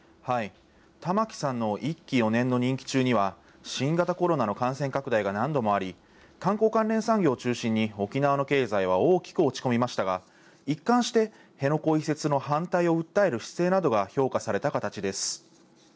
玉城さんの１期４年の任期中には、新型コロナの感染拡大が何度もあり、観光関連産業を中心に沖縄の経済は大きく落ち込みましたが、一貫して、辺野古移設の反対を訴える姿勢などが評価された形です。